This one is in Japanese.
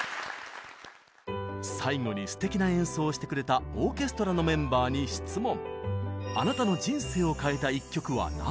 最後にすてきな演奏をしてくれたオーケストラのメンバーに質問。